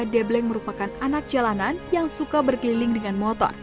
debleng merupakan anak jalanan yang suka berkeliling dengan motor